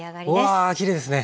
わあきれいですね！